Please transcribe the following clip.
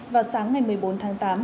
vào sáng ngày một mươi bốn tháng tám